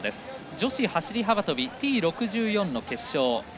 女子走り幅跳びＴ６４の決勝。